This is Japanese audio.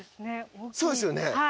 そうですね。